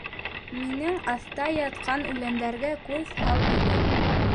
— Минең аҫта ятҡан үләндәргә күҙ һал әле...